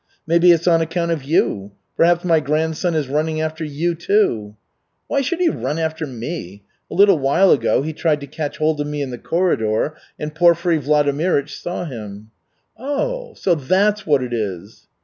"Maybe it's on account of you. Perhaps my grandson is running after you too?" "Why should he run after me? A little while ago he tried to catch hold of me in the corridor, and Porfiry Vladimirych saw him." "Oh. So that's what it is."